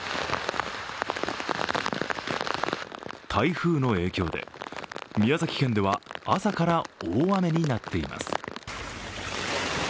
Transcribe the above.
台風の影響で宮崎県では朝から大雨になっています。